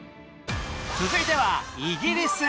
続いてはイギリス。